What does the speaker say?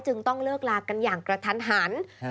ต้องเลิกลากันอย่างกระทันหัน